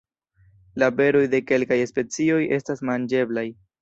La beroj de kelkaj specioj esta manĝeblaj.